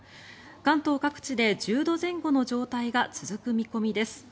関東各地で１０度前後の状態が続く見込みです。